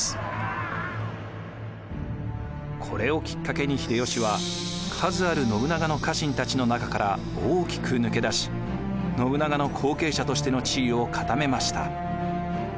これをきっかけに秀吉は数ある信長の家臣たちの中から大きく抜け出し信長の後継者としての地位を固めました。